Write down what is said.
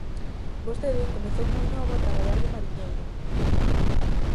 Vostede comezou moi novo a traballar de mariñeiro.